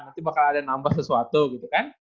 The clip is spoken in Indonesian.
nanti bakal ada nambah sesuatu gitu kan